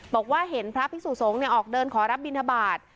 บอกว่าเห็นพระพี่สูสงณินออกเดินขอรับบิณฑบาต